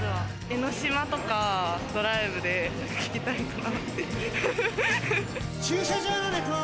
江の島とかドライブで聴きたいとか。